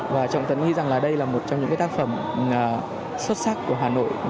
và trọng tấn nghĩ rằng là đây là một trong những tác phẩm xuất sắc của hà nội